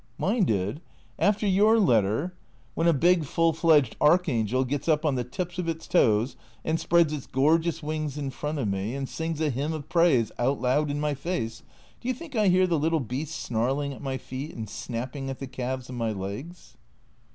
" Minded ? After your letter ? When a big full fledged arch angel gets up on the tips of its toes, and spreads its gorgeous wings in front of me, and sings a hymn of praise out loud in my face, do you think I hear the little beasts snarling at my feet and snapping at the calves of my legs